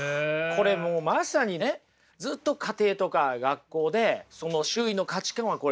これもうまさにねずっと家庭とか学校で周囲の価値観はこれだと。